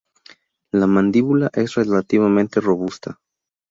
La mandíbula es relativamente robusta.